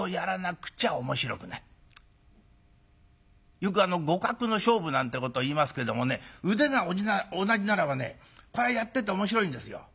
よく互角の勝負なんてことを言いますけどもね腕が同じならばねこれはやってて面白いんですよ。